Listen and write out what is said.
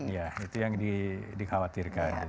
ya itu yang dikhawatirkan